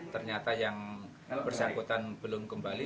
ternyata yang bersangkutan belum kembali